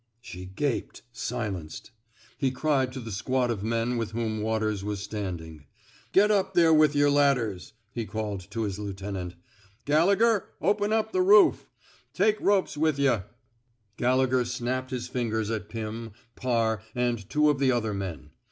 '' She gaped, silenced. He cried to the squad of men with whom Waters was standing: *' Get up there with yer lad ders. '' He called to his lieutenant :*' Galle gher, open up the roof. Take ropes with yuh." Gallegher snapped his fingers at Pim, Parr, and two of the other men.